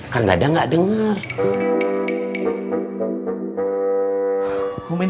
kang dadang gak denger kamu gak boleh mengerti